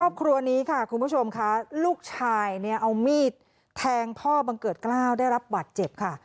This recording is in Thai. ครอบครัวนี้ค่ะคุณผู้ชมค่ะลูกชายเนี่ยเอามีดแทงพ่อบังเกิดกล้าวได้รับบัตรเจ็บค่ะ